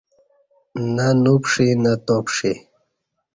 نہ نو پݜی نہ تاپݜی